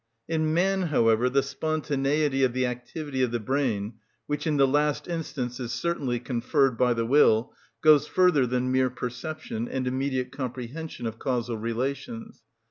In man, however, the spontaneity of the activity of the brain, which in the last instance is certainly conferred by the will, goes further than mere perception and immediate comprehension of causal relations.